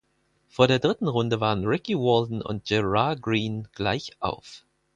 Vor der dritten Runde waren Ricky Walden und Gerard Greene gleichauf.